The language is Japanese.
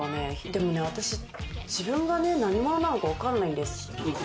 でもね、私自分がね、何者なのかわかんないんです。